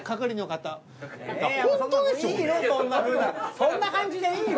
そんな感じでいいの？